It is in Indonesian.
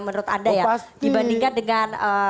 menurut anda ya dibandingkan dengan